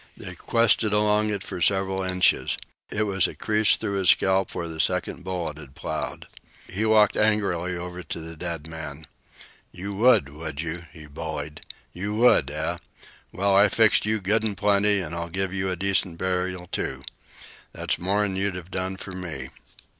They quested along it for several inches. It was a crease through his scalp where the second bullet had ploughed. He walked angrily over to the dead man. "You would, would you!" he bullied. "You would, eh? Well, I fixed you good an' plenty, an' I'll give you decent burial, too. That's more'n you'd have done for me."